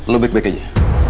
lo back back aja